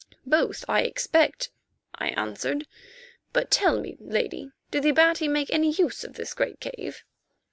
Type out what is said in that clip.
"Both, I expect," I answered. "But tell me, Lady, do the Abati make any use of this great cave?"